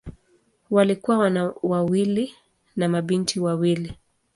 Walikuwa wana wawili na mabinti wawili.